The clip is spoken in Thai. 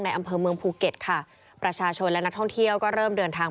อำเภอเมืองภูเก็ตค่ะประชาชนและนักท่องเที่ยวก็เริ่มเดินทาง